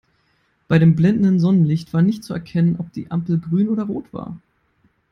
Bei dem blendenden Sonnenlicht war nicht zu erkennen, ob die Ampel grün oder rot war.